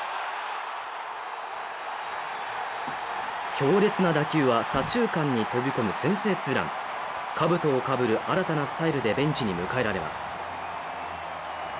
強烈な打球は左中間に飛び込む先制２ラン兜をかぶる新たなスタイルでベンチに迎えられます